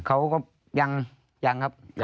เขาก็ยังครับ